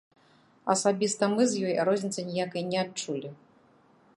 Асабіста мы з ёй розніцы ніякай не адчулі.